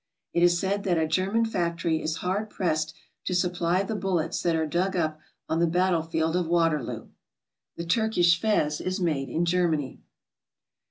It is said that a German factory is hard pressed to supply the bullets that are dug up on the battlefield of Waterloo. The Turkish fez is made in Germany.